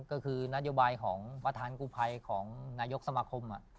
ก็คือนโยบายของประธานกูภัยของนายกสมาคม